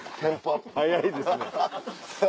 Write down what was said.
速いですね。